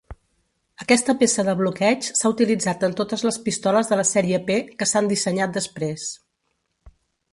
Aquesta peça de bloqueig s'ha utilitzat en totes les pistoles de la sèrie P que s'han dissenyat després.